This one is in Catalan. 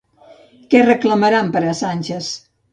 Què reclamaran per a Sànchez?